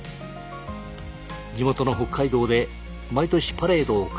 地元の北海道で毎年パレードを開催。